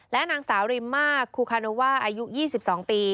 และนางสาวริมมาคูคาโนว่าอายุ๒๒ปี